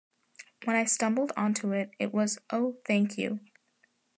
When I stumbled onto it, it was 'Oh, thank you!